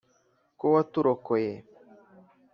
Ko waturokoye